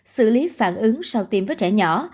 xử lý phản ứng sau tiêm với trẻ nhỏ